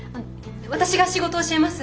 私が仕事教えます。